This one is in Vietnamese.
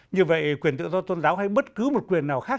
như vậy quyền tự do tôn giáo hay bất cứ một quyền nào khác